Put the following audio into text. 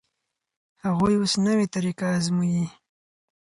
هغوی اوس نوې طریقه ازمويي.